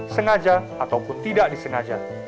sengaja ataupun tidak disengaja